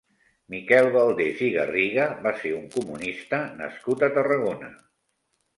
Miquel Valdés i Garriga va ser un comunista nascut a Tarragona.